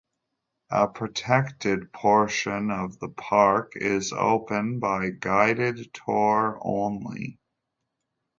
A protected portion of the park is open by guided tour only.